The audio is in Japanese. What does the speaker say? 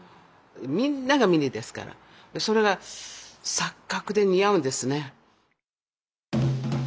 みんながミニですからそれが錯覚で似合うんですね。